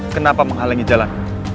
kenapa menghalangi jalan